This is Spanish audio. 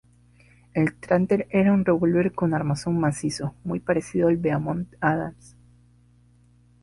El Tranter era un revólver con armazón macizo, muy parecido al Beaumont-Adams.